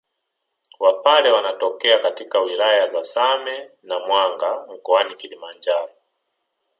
Wapare wanatokea katika wilaya za Same na Mwanga mkoani Kilimanjaro